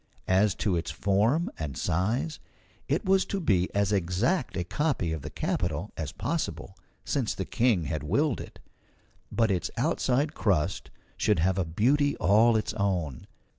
As to its form and size, it was to be as exact a copy of the capitol as possible, since the King had willed it; but its outside crust should have a beauty all its own.